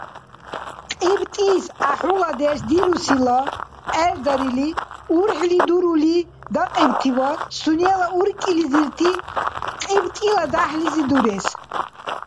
КьибтӀис гӀяхӀуладеш дирусила гӀердарили, урхӀли дурули дакьибтиван, сунела уркӀилизирти КьибтӀила дяхӀлизи дурес.